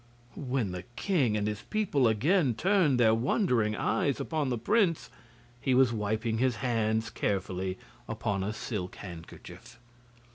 When the king and his people again turned their wondering eyes upon the prince he was wiping his hands carefully upon a silk handkerchief.